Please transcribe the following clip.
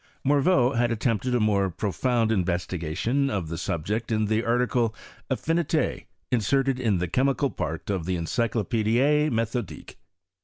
Morveau had attempted a more profound in I vestigation of the subject in the article Affiniti, inserted in the chemical part of the Encyclopedie Metbodique.